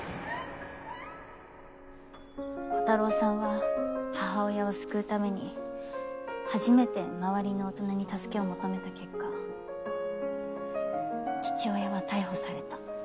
コタローさんは母親を救うために初めて周りの大人に助けを求めた結果父親は逮捕された。